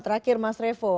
terakhir mas revo